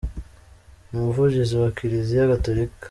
Umuvugizi wa Kiliziya Gatolika